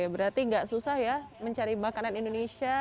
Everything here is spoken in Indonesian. berarti nggak susah ya mencari makanan indonesia